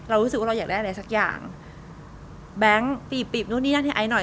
รู้สึกว่าเราอยากได้อะไรสักอย่างแบงค์ปีบนู่นนี่นั่นให้ไอซ์หน่อย